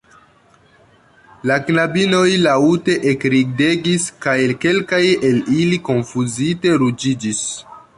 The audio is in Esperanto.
La knabinoj laŭte ekridegis kaj kelkaj el ili konfuzite ruĝiĝis.